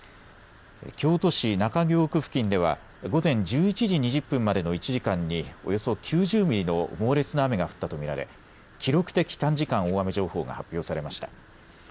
京都市中京区付近では午前１１時２０分までの１時間におよそ９０ミリの猛烈な雨が降ったと見られ記録的短時間大雨情報が発表されました。